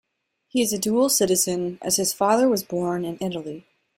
He is a dual citizen as his father was born in Italy.